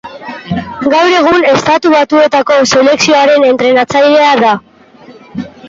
Gaur egun Estatu batuetako selekzioaren entrenatzailea da.